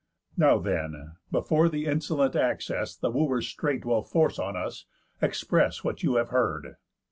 Now then, before the insolent access The Wooers straight will force on us, express What you have heard."